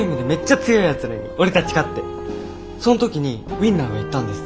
そん時にウインナーが言ったんです。